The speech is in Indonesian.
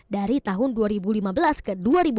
dari tahun dua ribu lima belas ke dua ribu delapan belas